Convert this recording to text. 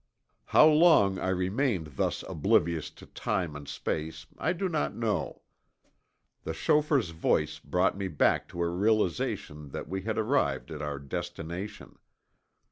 How long I remained thus oblivious to time and space I do not know. The chauffeur's voice brought me back to a realization that we had arrived at our destination.